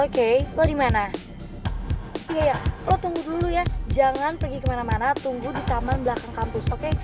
oke lo dimana iya lo tunggu dulu ya jangan pergi kemana mana tunggu di taman belakang kampus oke